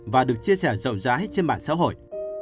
và được chia sẻ rộng rãi trên mạng xã hội